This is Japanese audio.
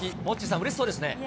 モッチーさん、うれしそうですね。